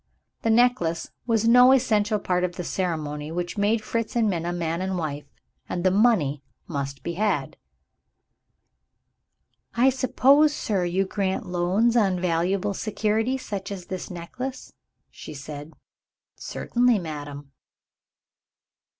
The necklace was no essential part of the ceremony which made Fritz and Minna man and wife and the money must be had. "I suppose, sir, you grant loans on valuable security such as this necklace?" she said. "Certainly, madam."